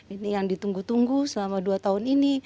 ini yang ditunggu tunggu selama dua tahun ini